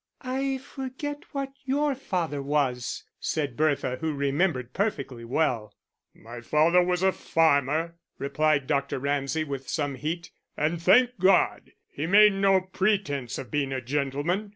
"I forget what your father was?" said Bertha, who remembered perfectly well. "My father was a farmer," replied Dr. Ramsay, with some heat, "and, thank God! he made no pretence of being a gentleman.